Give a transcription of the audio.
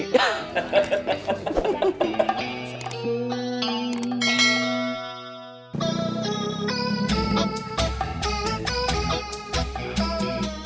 tapi kang dadang ngeplak diri sendiri